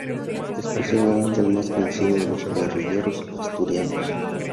Es posiblemente el más conocido de los guerrilleros asturianos.